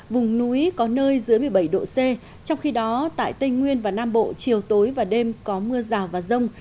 vùng núi có nơi dưới một mươi bảy độ c trong khi đó tại tây nguyên và nam bộ chiều tối và đêm có mưa rào và rông